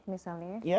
atau umpuk misalnya